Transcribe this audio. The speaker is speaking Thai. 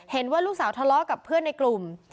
เห็นว่าลูกสาวทะเลาะกับเพื่อนในกลุ่ม